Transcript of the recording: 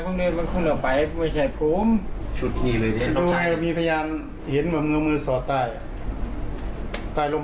นายพ่งรุ้นลงมาน้องคนไหนอยู่ไหน